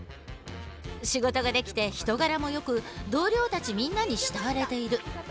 仕事ができて人柄もよく同僚たちみんなに慕われている。